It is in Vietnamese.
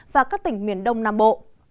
và các tỉnh miền đông nam bộ